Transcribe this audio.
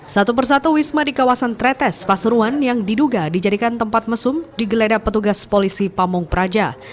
satu persatu wisma di kawasan tretes pasuruan yang diduga dijadikan tempat mesum digeledah petugas polisi pamung praja